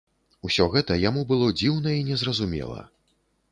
Усё гэта яму было дзіўна і незразумела.